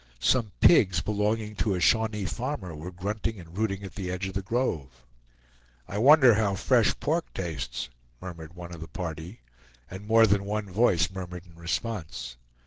Some pigs belonging to a Shawnee farmer were grunting and rooting at the edge of the grove. "I wonder how fresh pork tastes," murmured one of the party, and more than one voice murmured in response.